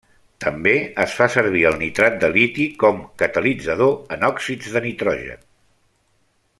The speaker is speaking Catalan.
També es fa servir el nitrat de liti com catalitzador en òxids de nitrogen.